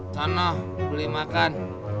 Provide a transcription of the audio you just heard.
kanoh beli makan